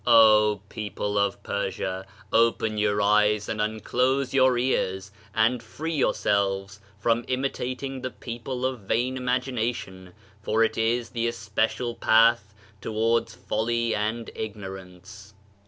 O people of Persia! Open your eyes and un close your ears, and free yourselves from imitating the people of vain imagination, for it is the especial path towards folly and ignorance.